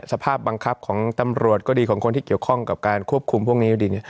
สภาพบังคับของตำรวจก็ดีของคนที่เกี่ยวข้องกับการควบคุมพวกนี้ก็ดีเนี่ย